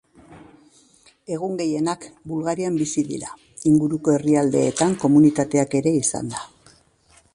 Egun gehienak Bulgarian bizi dira, inguruko herrialdeetan komunitateak ere izanda.